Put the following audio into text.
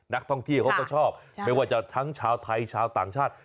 นักท่องเที่ยวเขาก็ชอบไม่ว่าจะทั้งชาวไทยชาวต่างชาติ